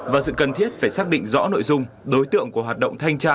và sự cần thiết phải xác định rõ nội dung đối tượng của hoạt động thanh tra